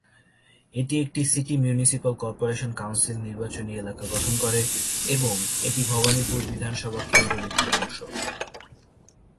এটি একটি city municipal corporation council নির্বাচনী এলাকা গঠন করে এবং এটি ভবানীপুর বিধানসভা কেন্দ্রর একটি অংশ।